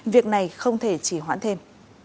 việc này không thể chỉ hoãn thêm